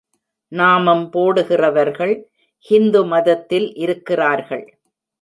நாமம் போடுகிறவர்கள் ஹிந்து மதத்தில் இருக்கிறார்கள்.